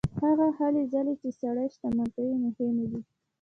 هغه هلې ځلې چې سړی شتمن کوي مهمې دي.